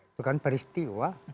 itu kan peristiwa